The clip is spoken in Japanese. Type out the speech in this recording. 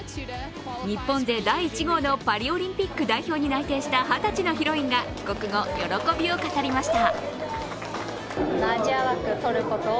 日本勢第１号のパリオリンピック代表に内定した二十歳のヒロインが帰国後、喜びを語りました。